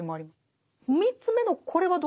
３つ目のこれはどうですか？